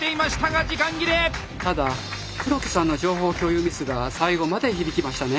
ただ黒木さんの情報共有ミスが最後まで響きましたね。